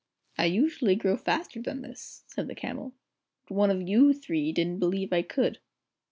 "I usually grow faster than this," said the Camel, "but one of you three didn't believe I could."